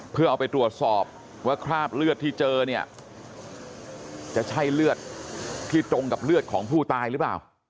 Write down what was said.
เพื่อเอาไปตรวจสอบว่าคราบเลือดที่เจอเนี่ยจะใช่เลือดที่ตรงกับเลือดของผู้ตายหรือเปล่า